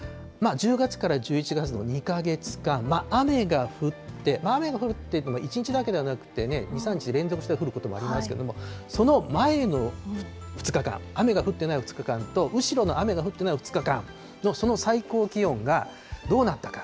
１０月から１１月の２か月間、雨が降って、雨が降るっていうのは１日だけではなくて、２、３日連続して降ることもありますけれども、その前の２日間、雨が降ってない２日間と後ろの雨が降っていない２日間のその最高気温がどうなったか。